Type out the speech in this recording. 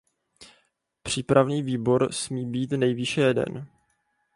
Přípravný výbor smí být nejvýše jeden.